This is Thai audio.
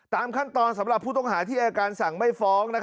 ตามขั้นตอนสำหรับผู้ต้องหาที่อายการสั่งไม่ฟ้อง